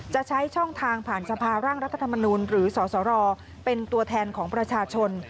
จะใช้ช่องทางผ่านสภาร่างรัฐธรรมนูลหรือสสรเป็นตัวแทนของประชาชน